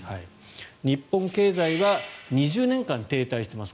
日本経済は２０年間停滞しています。